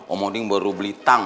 omoding baru beli tang